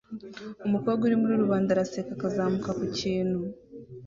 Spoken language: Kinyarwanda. Umukobwa uri muri rubanda araseka akazamuka ku kintu